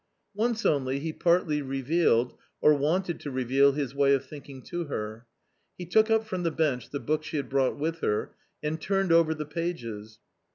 Once only he partly revealed or wanted to reveal his way of thinking to her. He took up from the bench the book she had brought with her and turned over the pages.